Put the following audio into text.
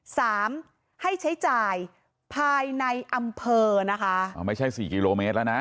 สามให้ใช้จ่ายภายในอำเภอนะคะอ๋อไม่ใช่สี่กิโลเมตรแล้วนะ